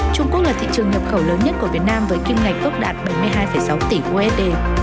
trung quốc là thị trường nhập khẩu lớn nhất của việt nam với kim ngạch ước đạt bảy mươi hai sáu tỷ usd